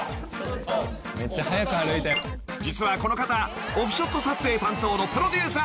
［実はこの方オフショット撮影担当のプロデューサー］